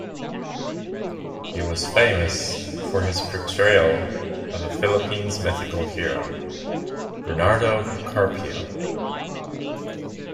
He was famous for his portrayal of a Philippines' mythical hero, "Bernardo Carpio".